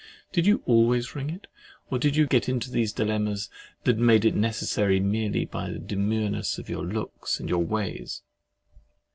Did you always ring it? Or did you get into these dilemmas that made it necessary, merely by the demureness of your looks and ways?